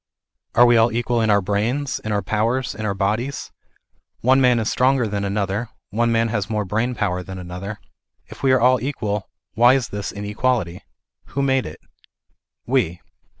Are we all equal in our brains, in our powers, in our bodies ? One man is stronger than another, one man has more brain power than another. If we are all equal, why is this inequality? Who made it ? We.